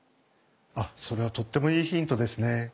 あっそれはとってもいいヒントですね。